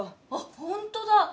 あっほんとだ。